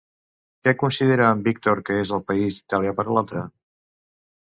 Què considera en Víctor que és el país italià per l'altre?